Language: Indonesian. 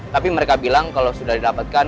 tapi mereka bilang kalau sudah didapatkan